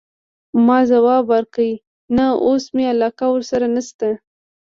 ما ځواب ورکړ: نه، اوس مي علاقه ورسره نشته.